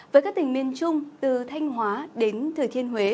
với các tỉnh miền trung từ thanh hóa đến thừa thiên huế